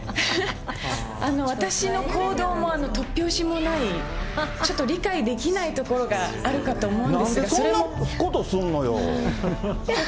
私の行動も、突拍子もない、ちょっと理解できないところがあるかと思うんですけど。